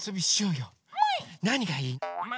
なにがいい？もい！